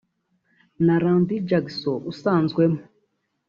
na Randy Jackson usanzwemo